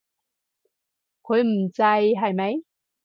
佢唔制，係咪？